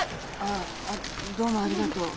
あどうもありがとう。